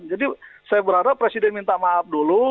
saya berharap presiden minta maaf dulu